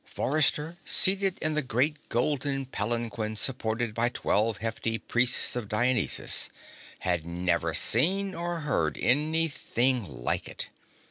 Forrester, seated in the great golden palanquin supported by twelve hefty Priests of Dionysus, had never seen or heard anything like it.